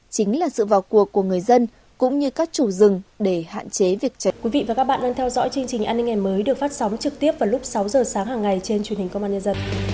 chính là sự vào cuộc của người dân cũng như các chủ rừng để hạn chế việc cháy rừng